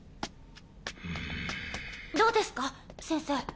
どうですか先生？